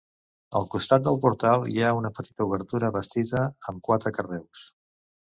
Al costat del portal hi ha una petita obertura bastida amb quatre carreus.